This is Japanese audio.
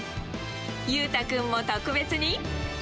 裕太君も特別に。